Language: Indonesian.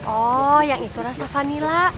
oh yang itu rasa vanilla